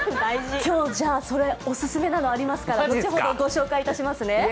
今日、お勧めなのがありますから後ほどご紹介しますね。